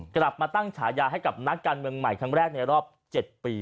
กลับมาตั้งฉายาให้กับนักการเมืองใหม่ครั้งแรกในรอบ๗ปี